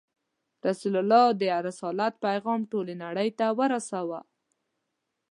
رسول الله د رسالت پیغام ټولې نړۍ ته ورساوه.